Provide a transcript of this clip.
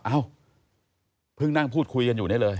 เอ้าเพิ่งนั่งพูดคุยกันอยู่นี่เลย